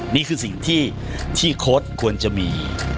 นี่คือสิ่งที่โค้ดควรจะมี